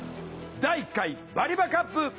第１回バリバカップ。